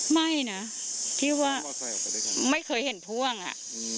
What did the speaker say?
ไม่นะที่ว่าไม่เคยเห็นพ่วงอ่ะ